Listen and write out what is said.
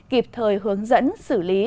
kịp thời hướng dẫn xử lý